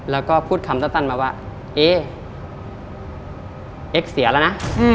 แล้วก็พูดคำสั้นมาว่าเอ๊เอ็กซ์เสียแล้วนะ